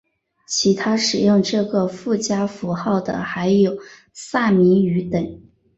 其他使用这个附加符号的还有萨米语等。